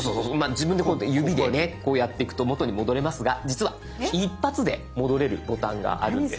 自分でこうやって指でねこうやっていくと元に戻れますが実は一発で戻れるボタンがあるんです。